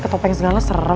itu kan motornya botol kecap